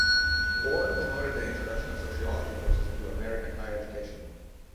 Ward promoted the introduction of sociology courses into American higher education.